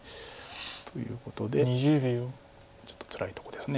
ということでちょっとつらいとこです